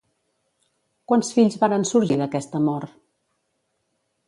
Quants fills varen sorgir d'aquest amor?